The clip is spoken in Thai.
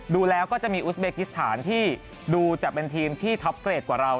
ดูแล้วก็จะมีอุสเบกิสถานที่ดูจะเป็นทีมที่ท็อปเกรดกว่าเรา